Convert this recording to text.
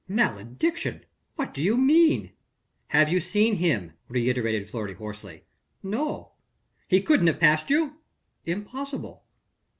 "Malediction! what do you mean?" "Have you seen him?" reiterated Fleury hoarsely. "No." "He couldn't have passed you?" "Impossible."